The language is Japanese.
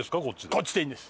こっちでいいんです。